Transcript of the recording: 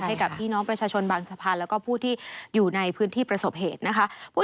ให้กับพี่น้องประชาชนบางสะพานแล้วก็ผู้ที่อยู่ในพื้นที่ประสบเหตุนะคะ